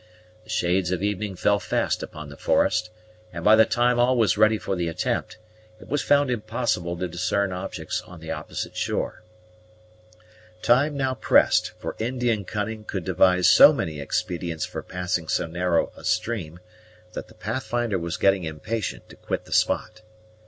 The shades of evening fell fast upon the forest; and by the time all was ready for the attempt, it was found impossible to discern objects on the opposite shore. Time now pressed; for Indian cunning could devise so many expedients for passing so narrow a stream, that the Pathfinder was getting impatient to quit the spot.